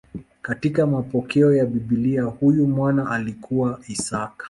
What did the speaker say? Katika mapokeo ya Biblia huyu mwana alikuwa Isaka.